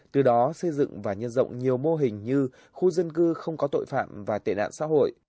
từ đó xây dựng và nhân rộng nhiều mô hình như khu dân cư không có tội phạm và tệ nạn xã hội